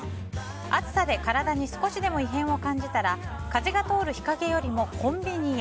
暑さで体に少しでも異変を感じたら風が通る日陰よりもコンビニへ。